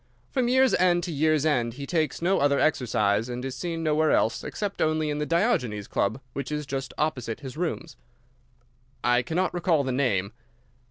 From year's end to year's end he takes no other exercise, and is seen nowhere else, except only in the Diogenes Club, which is just opposite his rooms." "I cannot recall the name."